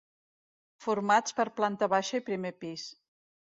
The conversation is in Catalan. Formats per planta baixa i primer pis.